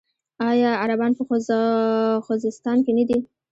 آیا عربان په خوزستان کې نه دي؟